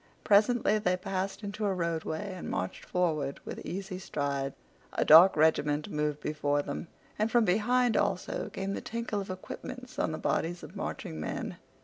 Presently they passed into a roadway and marched forward with easy strides. A dark regiment moved before them, and from behind also came the tinkle of equipments on the bodies of marching men.